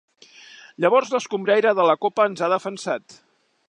Llavors l'escombriaire de la copa ens ha defensat.